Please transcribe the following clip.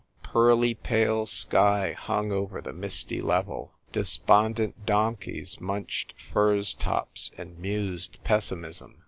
pearly pale sky hung over the misty level. Despondent donkeys munched furze tops and mused pessimism.